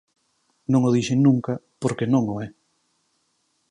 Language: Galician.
Non o dixen nunca, porque non o é.